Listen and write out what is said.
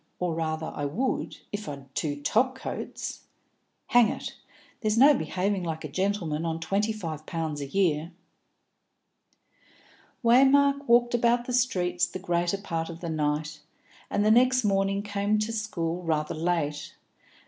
Or, rather, I would, if I'd two top coats. Hang it! There's no behaving like a gentleman on twenty five pounds a year." Waymark walked about the streets the greater part of the night, and the next morning came to school rather late. Dr.